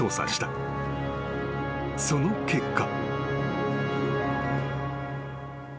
［その結果］